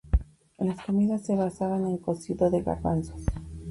Las comidas se basaban en cocido de garbanzos.